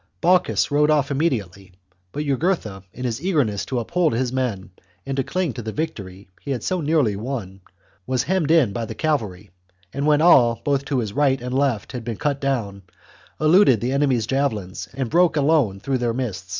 Bocchus rode off im mediately, but Jugurtha, in his eagerness to uphold his men and to cling to the victory he had so nearly won, was hemmed in by the cavalry, and when all, both to his right and left, had been cut down, eluded the enemy's javelins and broke alone through their midst.